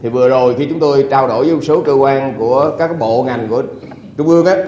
vừa rồi khi chúng tôi trao đổi với một số cơ quan của các bộ ngành của trung ương